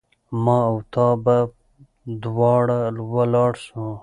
ما او تا به دواړه ولاړ سو